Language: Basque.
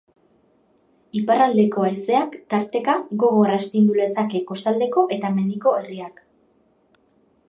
Iparraldeko haizeak tarteka gogor astindu lezake kostaldeko eta mendiko herriak.